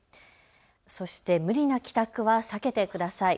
そして無理な帰宅は避けてください。